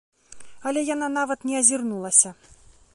Але яна нават не азірнулася.